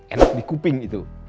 enak dikuping itu